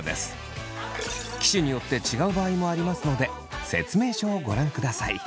機種によって違う場合もありますので説明書をご覧ください。